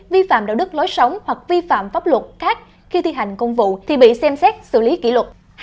vi phạm đạo đức lối sống hoặc vi phạm pháp luật khác khi thi hành công vụ thì bị xem xét xử lý kỷ luật